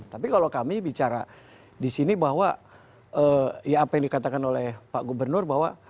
tapi kalau kami bicara di sini bahwa ya apa yang dikatakan oleh pak gubernur bahwa